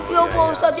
ya pausat ya